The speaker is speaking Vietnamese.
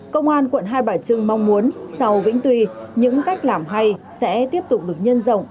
công an quận hai bà trưng mong muốn sau vĩnh tuy những cách làm hay sẽ tiếp tục được nhân rộng